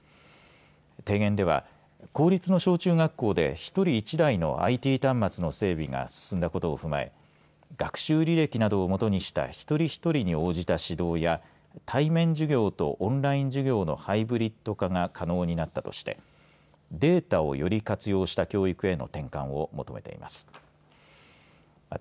提言では公立の小中学校で１人１台のＩＴ端末の整備が進んだことを踏まえ学習履歴などをもとにした一人一人に応じた指導や対面授業とオンライン授業のハイブリット化が可能になったとしてデータのより活用した教育への転換を求めています。